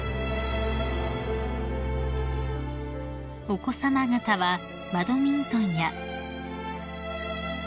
［お子さま方はバドミントンや］